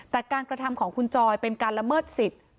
แต่การกระทำของคุณจอยเป็นการละเมิดสิทธิ์